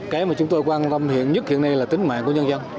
cái mà chúng tôi quan tâm hiện nhất hiện nay là tính mạng của nhân dân